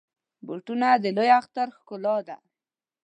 بوټونه د لوی اختر ښکلا ده.